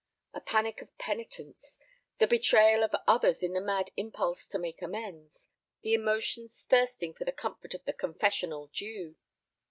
A panic of penitence, the betrayal of others in the mad impulse to make amends, the emotions thirsting for the comfort of the confessional dew.